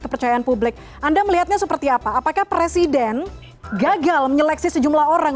kepercayaan publik anda melihatnya seperti apa apakah presiden gagal menyeleksi sejumlah orang